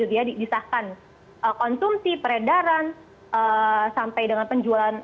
disahkan konsumsi peredaran sampai dengan penjualan